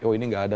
oh ini tidak ada